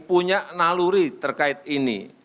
punya naluri terkait ini